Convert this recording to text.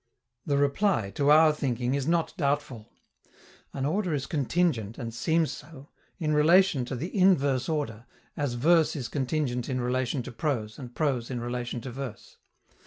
The reply, to our thinking, is not doubtful. An order is contingent, and seems so, in relation to the inverse order, as verse is contingent in relation to prose and prose in relation to verse.